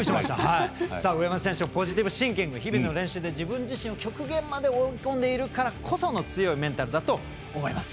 上山選手のポジティブシンキング日々の練習で自分自身を極限まで追い込んでいるからこその強いメンタルだと思います。